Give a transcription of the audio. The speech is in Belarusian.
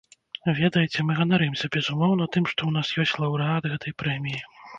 Ведаеце, мы ганарымся, безумоўна, тым, што ў нас ёсць лаўрэат гэтай прэміі.